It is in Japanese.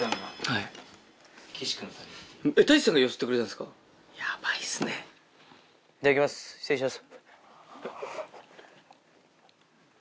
いただきます失礼します。